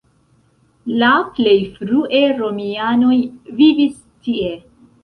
La plej frue romianoj vivis tie.